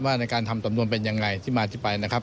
ในการทำสำนวนเป็นยังไงที่มาที่ไปนะครับ